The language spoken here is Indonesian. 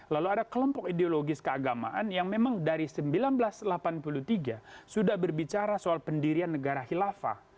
lalu ada kelompok ideologis keagamaan yang memang dari seribu sembilan ratus delapan puluh tiga sudah berbicara soal pendirian negara khilafah